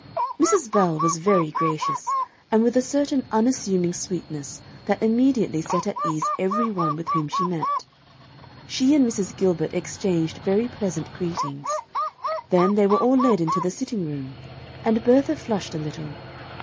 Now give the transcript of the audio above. Mrs. Bell was very gracious, and with a certain unassuming sweetness that immediately set at ease every one with whom she met. She and Mrs. Gilbert exchanged very pleasant greetings. Then they were all led into the sitting room, and Bertha flushed a little.